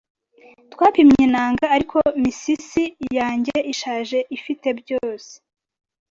twapimye inanga. Ariko missis yanjye ishaje ifite byose